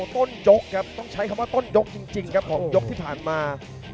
ต้นยกครับต้องใช้คำว่าต้นยกจริงครับของยกที่ผ่านมา